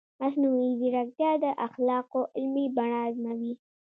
مصنوعي ځیرکتیا د اخلاقو عملي بڼه ازموي.